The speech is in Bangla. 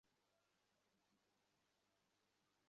দেখুন, আমাদের সাথে শুধু এটাই আছে।